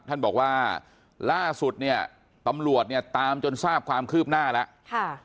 ท่านบอกว่าล่าสุดตำรวจตามจนทราบความคลื้บหน้าแล้ว